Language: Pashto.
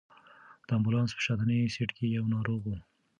د امبولانس په شاتني سېټ کې یو ناروغ و.